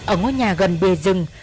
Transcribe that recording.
ở ngôi nhà gần bề rừng